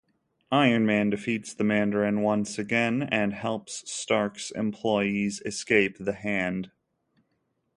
Iron Man defeats the Mandarin once again, and helps Stark's employees escape the Hand.